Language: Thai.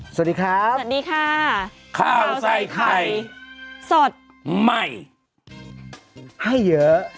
สวัสดีครับสวัสดีค่ะข้าวใส่ไข่สดใหม่ให้เยอะ